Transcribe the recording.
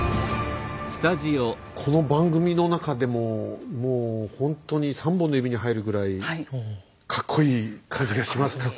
この番組の中でももうほんとに３本の指に入るぐらいかっこいい感じがします。